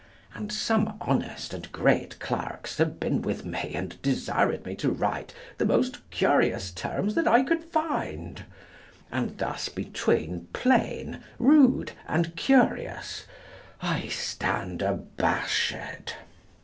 And some honest and great clerks have been with me and desired me to write the most curious terms that I could find; and thus between plain, rude and curious I stand abashed.